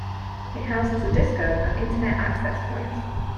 It houses a disco and Internet access points.